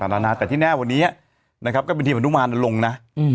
นานาแต่ที่แน่วันนี้นะครับก็เป็นทีมอนุมานลงนะ